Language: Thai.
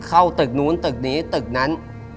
เข้าตึกนู้นตึกนี้ตึกนั้น